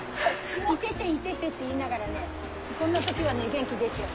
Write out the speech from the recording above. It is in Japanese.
イテテイテテって言いながらねこんな時はね元気出ちゃう。